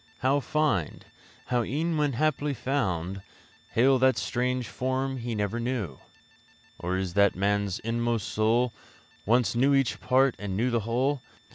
How find? How e'en when haply found Hail that strange form he never knew? Or is it that man's inmost soul Once knew each part and knew the whole?